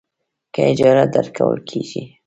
که اجازه درکول کېږي.